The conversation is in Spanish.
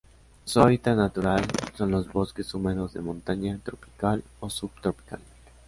Su hábitat natural son los bosques húmedos de montaña, tropical o subtropical.